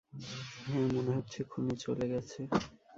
হ্যাঁ, মনে হচ্ছে খুনি চলে গেছে।